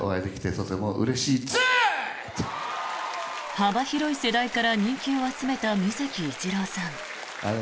幅広い世代から人気を集めた水木一郎さん。